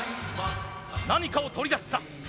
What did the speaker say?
何かを取り出した。